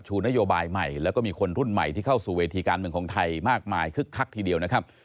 นโยบายใหม่แล้วก็มีคนรุ่นใหม่ที่เข้าสู่เวทีการเมืองของไทยมากมายคึกคักทีเดียวนะครับ